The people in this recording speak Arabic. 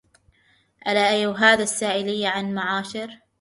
ألا أيهذا السائلي عن معاشر